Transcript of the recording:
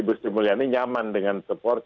ibu sri mulyani nyaman dengan support